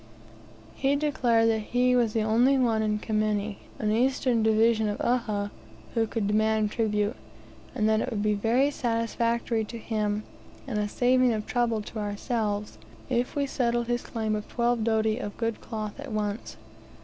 He declared that he was the only one in Kimenyi an eastern division of Uhha who could demand tribute; and that it would be very satisfactory to him, and a saving of trouble to ourselves, if we settled his claim of twelve doti of good cloths at once.